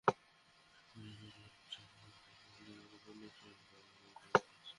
মিয়ানমারের সেনাবাহিনী দেশটির পশ্চিমাঞ্চলীয় রাখাইন রাজ্যের সংখ্যালঘু রোহিঙ্গাদের ওপর নিষ্ঠুর দমনপীড়ন চালাচ্ছে।